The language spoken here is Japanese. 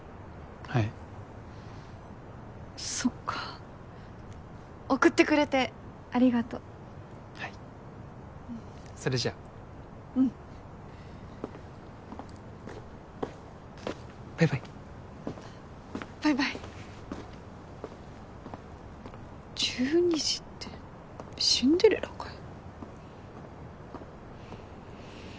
はいそっか送ってくれてありがとうはいそれじゃあうんバイバイバイバイ１２時ってシンデレラかよ